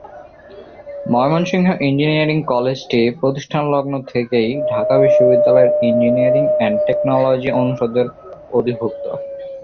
Mymensingh engineering কলেজটি প্রতিষ্ঠালগ্ন থেকেই ঢাকা বিশ্ববিদ্যালয়ের ইঞ্জিনিয়ারিং এন্ড টেকনোলজি অনুষদের অধিভূক্ত।